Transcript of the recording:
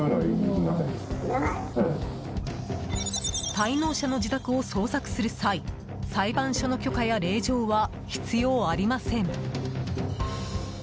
滞納者の自宅を捜索する際裁判所の許可や令状は必要ありません。